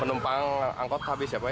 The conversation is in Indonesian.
penumpang angkut habis ya pak